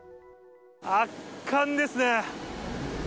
圧巻ですね。